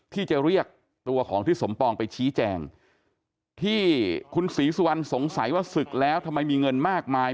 ที่จะเรียกตัวของทิศสมปองไปชี้แจงที่คุณศรีสุวรรณสงสัยว่าศึกแล้วทำไมมีเงินมากมาย